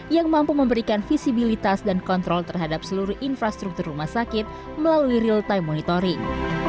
yang mampu memberikan visibilitas dan kontrol terhadap seluruh infrastruktur rumah sakit melalui real time monitoring